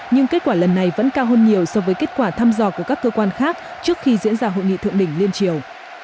nhưng kết quả lần này vẫn cao hơn nhiều so với kết quả thăm dò của các cơ quan khác trước khi diễn ra hội nghị thượng đỉnh liên triều